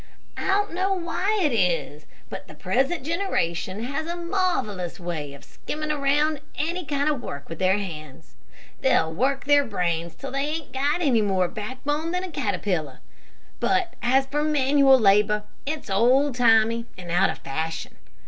"I don't know why it is, but the present generation has a marvelous way of skimming around any kind of work with their hands, They'll work their brains till they haven't got any more backbone than a caterpillar, but as for manual labor, it's old timey and out of fashion.